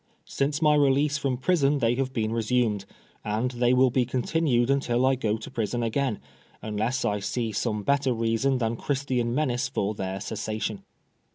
Since my release from prison they have been resumed, and they will be continued until I go to prison again, unless I see some better reason' than Christian menace for their cessation.